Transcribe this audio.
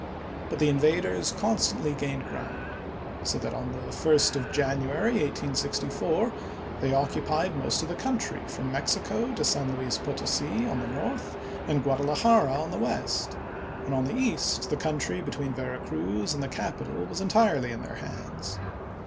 But the invaders constantly gained ground ; so that on the 1st of January, 1864, they occupied most of the country from Mexico to San Luis Potosi on the north and Guadalajara on the west, and on the east the country between Vera Cruz and the capital was entirely in their hands.